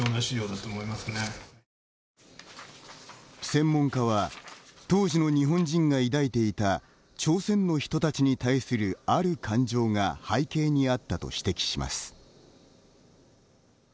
専門家は当時の日本人が抱いていた朝鮮の人たちに対するある感情が背景にあったと指摘します。